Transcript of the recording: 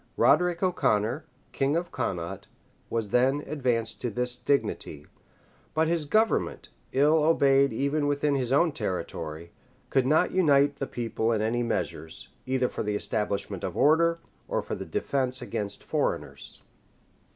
Roderic O'Connor, king of Connaught, was then advanced to this dignity;[*] but his government, ill obeyed even within his own territory, could not unite the people in any measures, either for the establishment of order, or for defence against foreigners.